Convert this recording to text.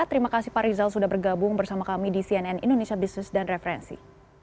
terima kasih pak rizal sudah bergabung bersama kami di cnn indonesia business dan referensi